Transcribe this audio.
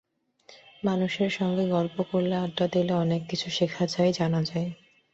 মানুষের সঙ্গে গল্প করলে, আড্ডা দিলে অনেক কিছু শেখা যায়, জানা যায়।